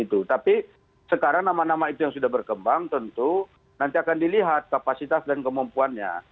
tapi sekarang nama nama itu yang sudah berkembang tentu nanti akan dilihat kapasitas dan kemampuannya